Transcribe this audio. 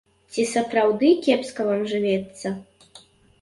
Ці сапраўды кепска вам жывецца?